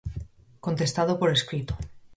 Contestado por escrito.